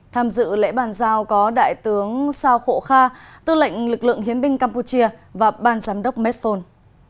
tham dự lễ bàn giao có đại tướng sao khổ kha tư lệnh lực lượng hiến binh campuchia và ban giám đốc medphone